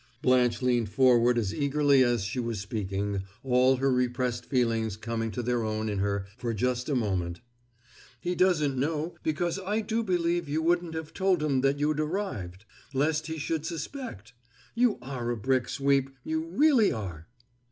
Blanche leaned forward as eagerly as she was speaking, all her repressed feelings coming to their own in her for just a moment. "He doesn't know because I do believe you wouldn't have him told that you'd arrived, lest he should suspect! You are a brick, Sweep, you really are!"